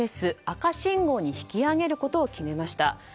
赤信号に引き上げることを決めました。